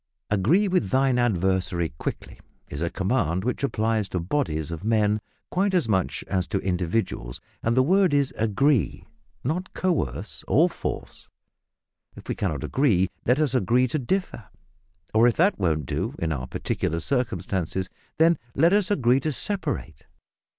"Agree with thine adversary quickly" is a command which applies to bodies of men quite as much as to individuals, and the word is "agree," not coerce or force. If we cannot agree, let us agree to differ; or, if that won't do in our peculiar circumstances, then let us agree to separate.